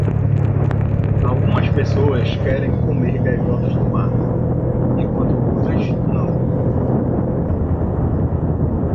Algumas pessoas querem comer gaivotas do mar, enquanto outras não.